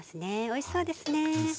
おいしそうですね。